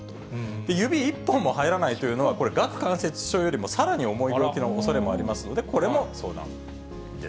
指１本も入らないというのは、これ、顎関節症よりもさらに重い病気のおそれもありますので、これも相談を。